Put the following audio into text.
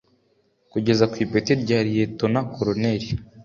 Kugera ku ipeti rya Liyetona Koloneli